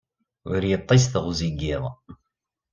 Ur yeṭṭis teɣzi n yiḍ.